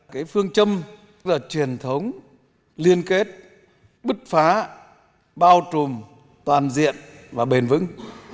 cái phương châm là truyền thống liên kết bứt phá bao trùm toàn diện và bền vững